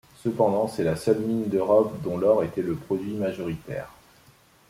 Cependant, c'est la seule mine d'Europe dont l'or était le produit majoritaire.